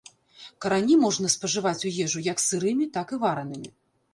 Карані можна спажываць у ежу як сырымі, так і варанымі.